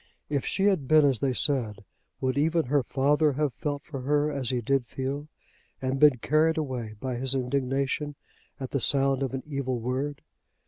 If she had been as they said, would even her father have felt for her as he did feel, and been carried away by his indignation at the sound of an evil word?